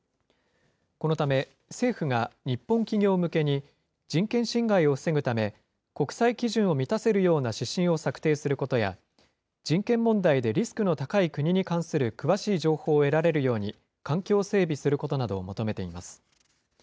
このため、政府が日本企業向けに、人権侵害を防ぐため、国際基準を満たせるような指針を策定することや、人権問題でリスクの高い国に関する詳しい情報を得られるように環境を整備することなどを求めています。